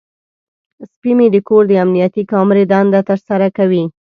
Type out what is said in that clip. سپی مې د کور د امنیتي کامرې دنده ترسره کوي.